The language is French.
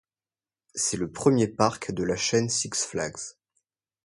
C'est le premier parc de la chaîne Six Flags.